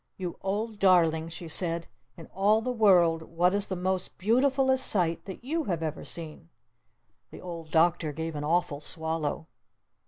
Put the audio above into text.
"You Old Darling," she said. "In all the world what is the most beautiful est sight that you have ever seen?" The Old Doctor gave an awful swallow.